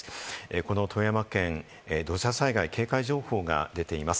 この富山県、土砂災害警戒情報が出ています。